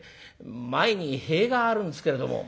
「前に塀があるんですけれども」。